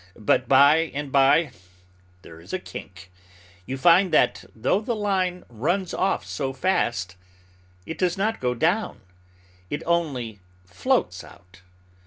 But by and by there is a kink. You find that, though the line runs off so fast, it does not go down, it only floats out.